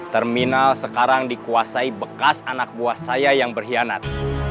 terminal sekarang dikuasai bekas anak buah saya yang berkhianat